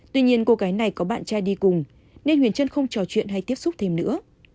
tuy nhiên cô gái này có bạn trai đi cùng nên huyền trân không trò chuyện hay tiếp xúc thêm nữa